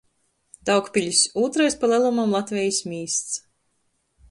Daugpiļs – ūtrais pa lelumam Latvejis mīsts.